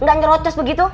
enggak nyerocos begitu